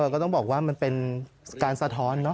ก็ต้องบอกว่ามันเป็นการสะท้อนเนอ